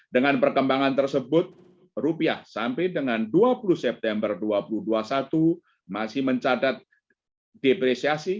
dengan perkembangan tersebut rupiah sampai dengan dua puluh september dua ribu dua puluh satu masih mencatat depresiasi